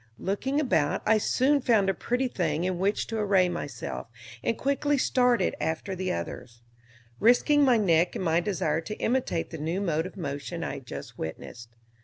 Looking about I soon found a pretty thing in which to array myself, and quickly started after the others, risking my neck in my desire to imitate the new mode of motion I had just witnessed.